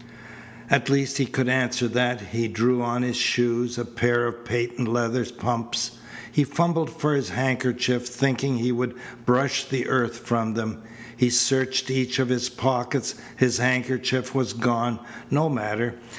At least he could answer that. He drew on his shoes a pair of patent leather pumps. He fumbled for his handkerchief, thinking he would brush the earth from them. He searched each of his pockets. His handkerchief was gone. No matter.